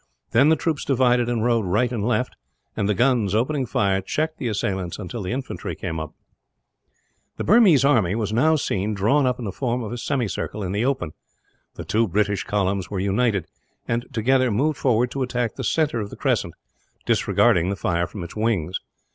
Then the troopers divided and rode right and left; and the guns, opening fire, checked the assailants until the infantry came up. The Burmese army was now seen, drawn up in the form of a semicircle, in the open. The two British columns were united and, together, moved forward to attack the centre of the crescent, disregarding the fire from its wings.